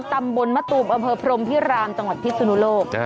จัมบุญมัตตูประเภทพรมที่รามจังหวัดพิศนุโลก